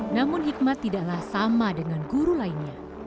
namun hikmat tidaklah sama dengan guru lainnya